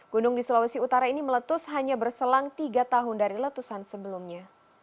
gunung di sulawesi utara ini meletus hanya berselang tiga tahun dari letusan sebelumnya